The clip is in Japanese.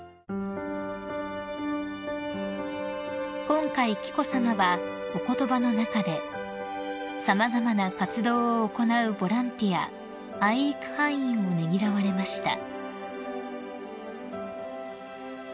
［今回紀子さまはお言葉の中で様々な活動を行うボランティア・愛育班員をねぎらわれました］